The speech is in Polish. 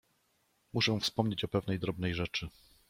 Muszę wspomnieć o pewnej drobnej rzeczy.